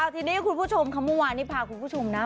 ทีนี้คุณผู้ชมคัมวานนี่พาคุณผู้ชมนะ